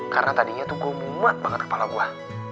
karena tadinya tuh gue mumat banget kepala gue